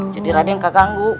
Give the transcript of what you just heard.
jadi raden keganggu